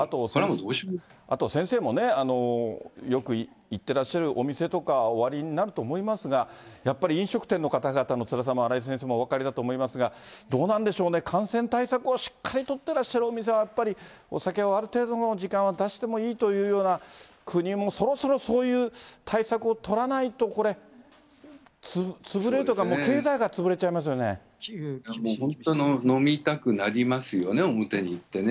あと先生も、よく行ってらっしゃるお店とかおありになると思いますが、やっぱり飲食店の方々のつらさも荒井先生もお分かりだと思いますが、どうなんでしょうね、感染対策をしっかり取ってらっしゃるお店はやっぱりお酒は、時間は出してもいいというような、国もそろそろそういう対策を取らないと、これ、潰れるとか、経済が潰れちゃもう本当に飲みたくなりますよね、表に行ってね。